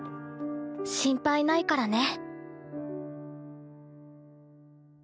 心配ないからね。